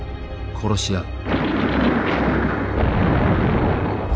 殺し合う。